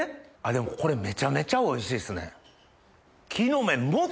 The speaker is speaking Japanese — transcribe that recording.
でもこれめちゃめちゃおいしいっすね。